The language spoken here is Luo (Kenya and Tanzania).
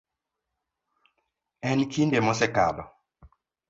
En kinde mosekalo.